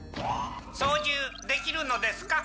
操縦できるのですか？